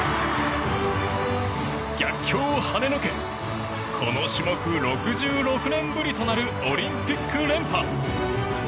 逆境を跳ねのけこの種目６６年ぶりとなるオリンピック連覇。